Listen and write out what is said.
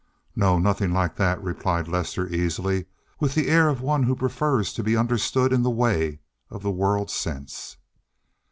"No, nothing like that," replied Lester, easily, with the air of one who prefers to be understood in the way of the world sense.